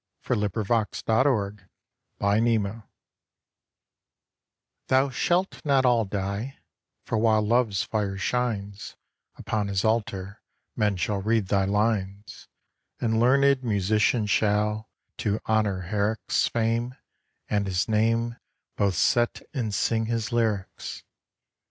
15. UPON HIMSELF Thou shalt not all die; for while Love's fire shines Upon his altar, men shall read thy lines; And learn'd musicians shall, to honour Herrick's Fame, and his name, both set and sing his lyrics.